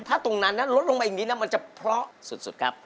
ถ้าตรงนั้นลดลงไปอย่างนี้นะมันจะเพราะสุดครับ